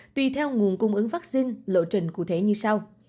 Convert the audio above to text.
tuy theo nguồn cung ứng vắc xin lộ trình cụ thể như sau